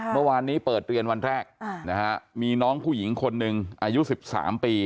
เมื่อวานนี้เปิดเรียนวันแรกมีน้องผู้หญิงคนหนึ่งอายุ๑๓ปี